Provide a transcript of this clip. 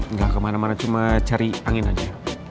nggak kemana mana cuma cari angin aja